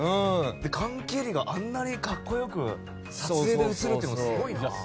缶蹴りがあんなに格好よく撮影で映るのすごいな。